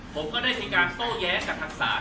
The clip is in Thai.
ผมก็ได้พี่กังโต้แย้กับทักษาร